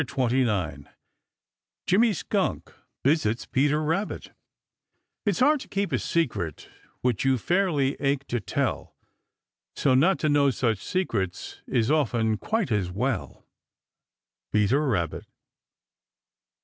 CHAPTER XXIX JIMMY SKUNK VISITS PETER RABBIT It's hard to keep a secret which you fairly ache to tell; So not to know such secrets is often quite as well. Peter Rabbit.